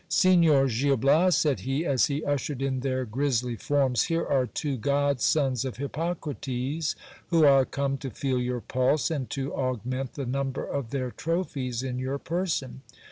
Signor Gil Bias, said he, as he ushered in their grisly forms, here are two godsons of Hippocrates, who are come to feel your pulse, and to augment the number of their trophies in your person.